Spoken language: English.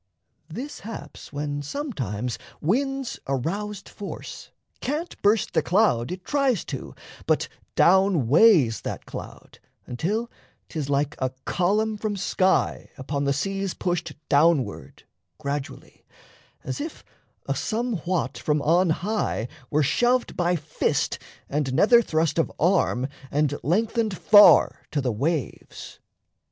This haps when sometimes wind's aroused force Can't burst the cloud it tries to, but down weighs That cloud, until 'tis like a column from sky Upon the seas pushed downward gradually, As if a Somewhat from on high were shoved By fist and nether thrust of arm, and lengthened Far to the waves.